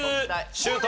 シュート！